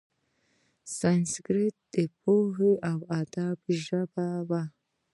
سانسکریت د پوهې او ادب ژبه وه.